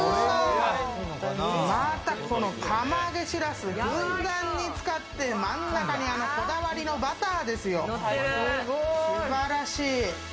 釜揚げしらすふんだんに使って真ん中にこだわりのバターですよ。素晴らしい。